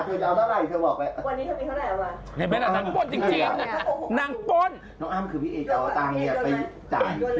ทำอย่างไรอยากให้นางอ้ำเลิกแบบว่าเลิกตั้งไพรเวท